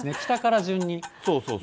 そうそう。